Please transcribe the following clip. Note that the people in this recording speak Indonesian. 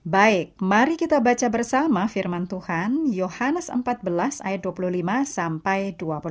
baik mari kita baca bersama firman tuhan yohanes empat belas ayat dua puluh lima sampai dua puluh enam